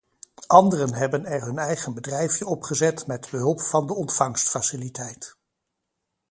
Anderen hebben er hun eigen bedrijfje opgezet met behulp van de ontvangstfaciliteit.